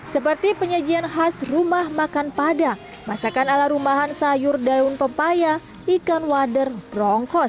seperti penyajian khas rumah makan padang masakan ala rumahan sayur daun pepaya ikan wader rongkos